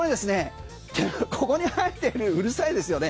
ここに入っているうるさいですよね。